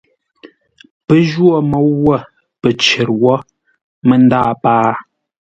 Pə́ jwô môu wə̂ pə̂ cər wó mə́ ndâa pâa.